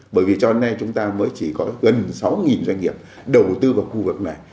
bởi vì cho nên chúng ta mới chỉ có gần sáu doanh nghiệp đầu tư vào khu vực này